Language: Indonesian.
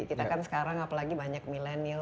kita kan sekarang apalagi banyak milenial